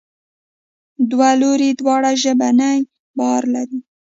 دوه لوري دواړه ژبنی بار لري.